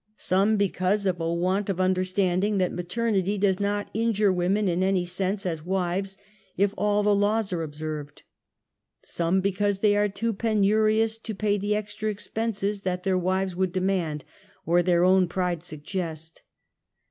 Some because of a want of an understanding that maternity does not injure women in any sense as wives if all the laws are observed. Some because they are too penurious to pay the extra expenses that their wives would demand, or their own pride sug gest.